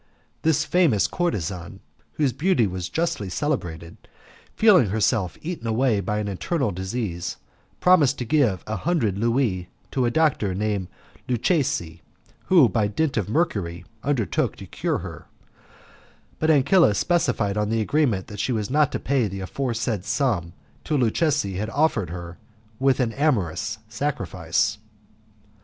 This famous courtezan, whose beauty was justly celebrated, feeling herself eaten away by an internal disease, promised to give a hundred louis to a doctor named Lucchesi, who by dint of mercury undertook to cure her, but Ancilla specified on the agreement that she was not to pay the aforesaid sum till Lucchesi had offered with her an amorous sacrifice.